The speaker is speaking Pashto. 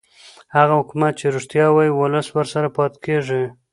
هغه حکومت چې رښتیا وايي ولس ورسره پاتې کېږي